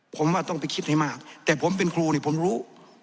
ผมว่าต้องไปคิดให้มากแต่ผมเป็นครูเนี่ยผมรู้